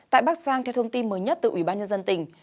tại bắc giang theo thông tin mới nhất từ ủy ban nhân dân tỉnh